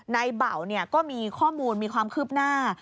ในเบาก็มีข้อมูลมีความคืบหน้า